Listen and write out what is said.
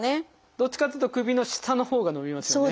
どっちかっていうと首の下のほうが伸びますよね。